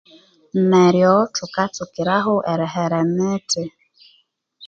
Neryo thukatsukiraho erihera emithi